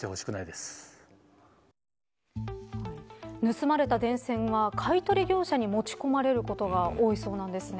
盗まれた電線が買い取り業者に持ち込まれることが多いそうなんですね。